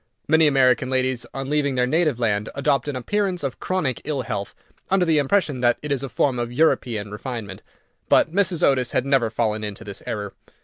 Many American ladies on leaving their native land adopt an appearance of chronic ill health, under the impression that it is a form of European refinement, but Mrs. Otis had never fallen into this error.